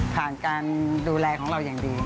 การดูแลของเราอย่างดี